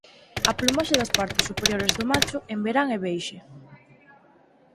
A plumaxe das partes superiores do macho en verán é beixe.